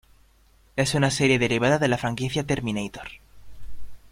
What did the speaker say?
Es una serie derivada de la franquicia "Terminator".